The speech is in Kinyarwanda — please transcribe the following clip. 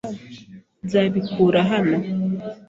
Nzabikura hano .